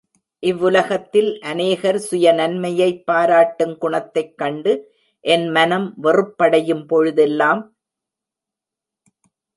இவ்வுலகத்தில் அநேகர் சுய நன்மையைப் பாராட்டுங் குணத்தைக் கண்டு என் மனம் வெறுப்படையும் பொழுதெல்லாம்.